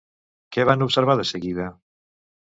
Què van observar de seguida?